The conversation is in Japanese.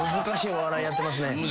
難しいお笑いやってますね。